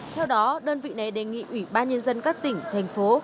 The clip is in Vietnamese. theo đó đơn vị này đề nghị ubnd các tỉnh thành phố